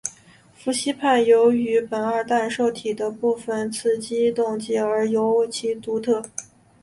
氟西泮由于是苯二氮受体的部分激动剂而尤其独特。